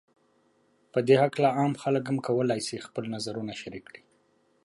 په دې هکله عام خلک هم کولای شي خپل نظرونو شریک کړي